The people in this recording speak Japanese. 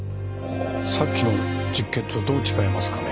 さっきの実験とどう違いますかね？